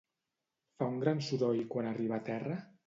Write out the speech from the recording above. Fa un gran soroll quan arriba a terra?